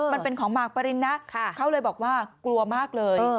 มันเป็นของหมากปรินนะเขาเลยบอกว่ากลัวมากเลย